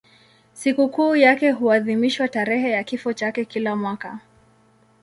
Sikukuu yake huadhimishwa tarehe ya kifo chake kila mwaka.